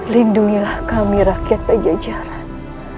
lindungilah kami rakyat pejajaran